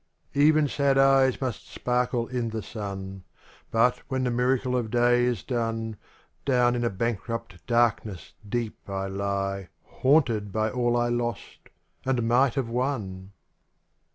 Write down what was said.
TN sad eyes must sparkle in the sun. But, when the miracle of day is done, Down in a bankrupt darkness deep I lie Haunted by all I lost — and might have won